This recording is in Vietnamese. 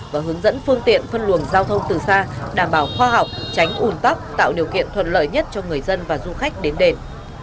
và hướng dẫn phương tiện phân luồng giao thông từ xa đảm bảo khoa học tránh ủn tóc tạo điều kiện thuận lợi nhất cho người dân và du khách đến đền